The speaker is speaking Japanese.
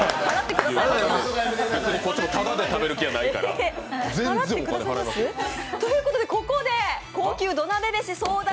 別にこっちもタダで食べる気はないから、全然お金払いますよ。ということでここで高級土鍋飯争奪！